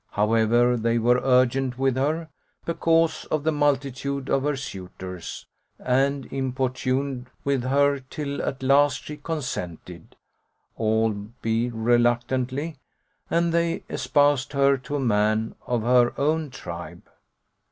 However, they were urgent with her, because of the multitude of her suitors, and importuned with her till at last she consented, albe reluctantly; and they espoused her to a man of her own tribe.